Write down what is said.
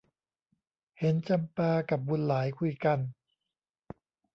เห็นจำปากับบุญหลายคุยกัน